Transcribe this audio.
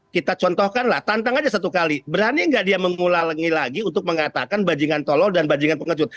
kita contohkanlah tantang aja satu kali berani gak dia mengulangi lagi untuk mengatakan bajingan tolol dan bajingan pengecut